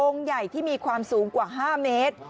ใหญ่ที่มีความสูงกว่า๕เมตร